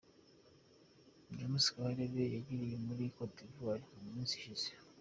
James Kabarebe yagiriye muri Côte d’Ivoire mu minsi ishize.